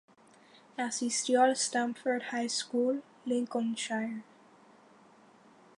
Asistió al Stamford High School, Lincolnshire.